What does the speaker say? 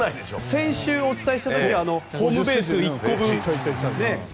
先週お伝えした時はホームベース１個分でね。